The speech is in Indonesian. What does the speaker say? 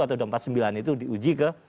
atau dua ratus empat puluh sembilan itu diuji ke